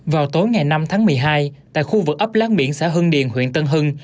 vào tối ngày năm tháng một mươi hai tại khu vực ấp láng biển xã hưng điền huyện tân hưng